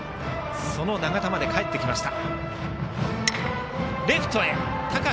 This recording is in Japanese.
その永田までかえってきました。